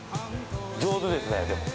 上手ですねでも。